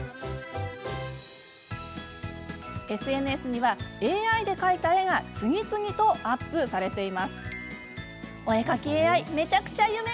ＳＮＳには、ＡＩで描いた絵が次々とアップされています。